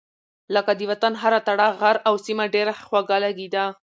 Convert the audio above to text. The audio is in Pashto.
لکه : د وطن هره تړه غر او سيمه ډېره خوږه لګېده.